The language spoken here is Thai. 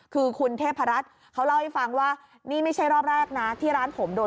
คือคุณเทพรั